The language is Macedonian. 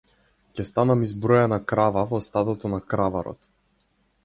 Ќе станам избројана крава во стадото на краварот.